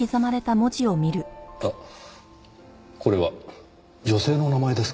あっこれは女性のお名前ですか？